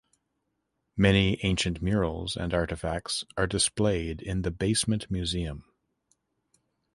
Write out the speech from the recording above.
Many ancient murals and artefacts are displayed in the basement Museum.